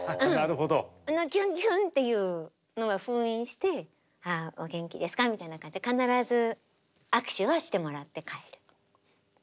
キュンキュンっていうのは封印して「お元気ですか？」みたいな感じで必ず握手はしてもらって帰る。